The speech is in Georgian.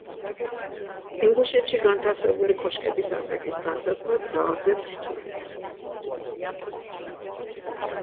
ინგუშეთში განთავსებული კოშკების ასაკის განსაზღვრა ძალზედ რთულია.